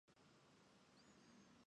岐阜県本巣市